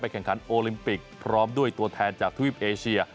แข่งขันโอลิมปิกพร้อมด้วยตัวแทนจากทวีปเอเชีย